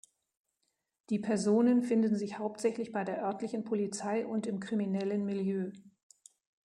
Die Personen finden sich hauptsächlich bei der örtlichen Polizei und im kriminellen Milieu.